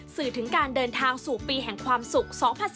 สื่อถึงการเดินทางสู่ปีแห่งความสุข๒๐๑๙